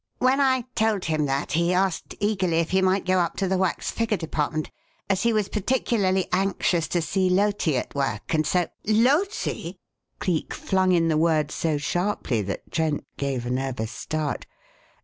When I told him that, he asked eagerly if he might go up to the wax figure department, as he was particularly anxious to see Loti at work, and so " "Loti!" Cleek flung in the word so sharply that Trent gave a nervous start.